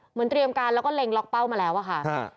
เตรียมการแล้วก็เล็งล็อกเป้ามาแล้วอะค่ะ